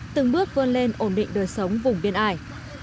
từng bước vươn lên ổn định đời sống vùng biên ải